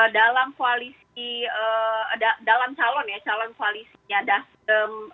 dalam koalisi dalam calon ya calon koalisinya nasdem